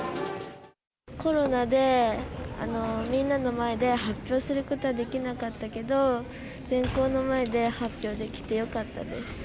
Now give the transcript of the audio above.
コロナでみんなの前で発表することはできなかったけど、全校の前で発表できてよかったです。